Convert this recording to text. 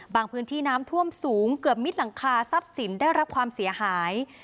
พื้นที่น้ำท่วมสูงเกือบมิดหลังคาทรัพย์สินได้รับความเสียหาย